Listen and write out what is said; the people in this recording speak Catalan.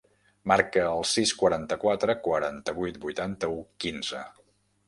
Marca el sis, quaranta-quatre, quaranta-vuit, vuitanta-u, quinze.